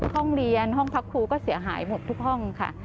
ห้องเรียนห้องพักครูก็เสียหายหมดทุกห้องค่ะ